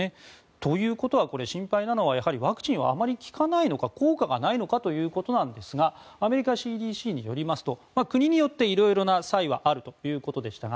ということは、これ心配なのはワクチンはあまり効かないのか効果がないのかということなんですがアメリカＣＤＣによりますと国によって色々な差異はあるということでしたが